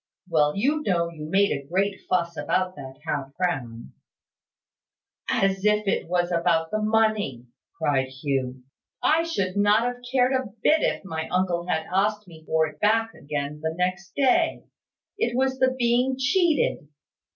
"Well, you know you made a great fuss about that half crown." "As if it was about the money!" cried Hugh. "I should not have cared a bit if my uncle had asked me for it back again the next day. It was the being cheated.